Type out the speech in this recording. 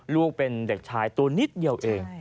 ลูกเป็นเด็กชายตัวนิดเดียวเอง